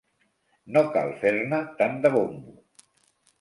No cal fer-ne tant de bombo.